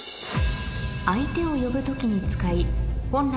相手を呼ぶ時に使いえ？